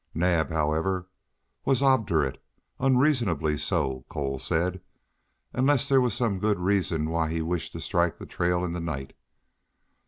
Naab, however, was obdurate, unreasonably so, Cole said, unless there were some good reason why he wished to strike the trail in the night.